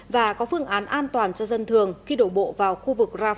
và có phương án an toàn cho dân thường khi đổ bộ vào khu vực rafa